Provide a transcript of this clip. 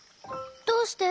どうして？